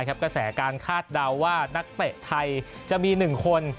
กระแสการคาดเดาว่านักเตะไทยจะมี๑คน